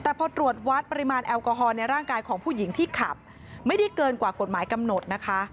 แต่พอตรวจวัดปริมาณแอลกอฮอลในร่างกายของผู้หญิงที่ขับไม่ได้เกินกว่ากฎหมายกำหนดนะคะ